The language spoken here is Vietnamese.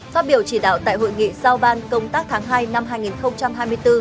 phát biểu chỉ đạo tại hội nghị giao ban công tác tháng hai năm hai nghìn hai mươi bốn